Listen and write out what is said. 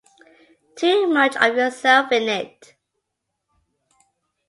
Too much of yourself in it!